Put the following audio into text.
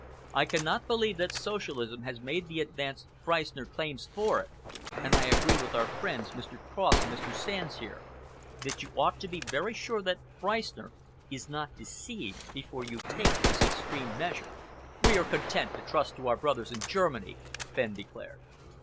I cannot believe that Socialism has made the advance Freistner claims for it, and I agree with our friends, Mr. Cross and Mr. Sands here, that you ought to be very sure that Freistner is not deceived before you take this extreme measure." "We are content to trust to our brothers in Germany," Fenn declared.